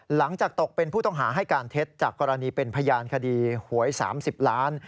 หลังจากตกเป็นผู้ต้องหาให้การเท็จจากกรณีเป็นพยานคดีหวย๓๐ล้าน